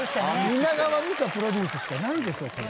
蜷川実花プロデュースしかないですよ。